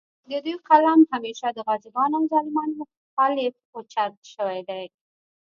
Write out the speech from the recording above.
د دوي قلم همېشه د غاصبانو او ظالمانو خالف اوچت شوے دے